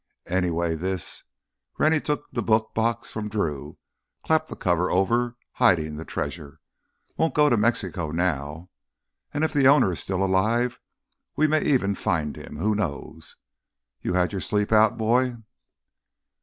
Anyway this"—Rennie took the book box from Drew, clapped the cover over, hiding the treasure—"won't go to Mexico now. And if the owner is still alive, we may even find him—who knows? You had your sleep out, boy?"